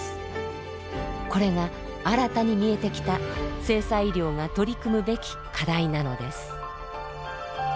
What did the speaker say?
これが新たに見えてきた性差医療が取り組むべき課題なのです。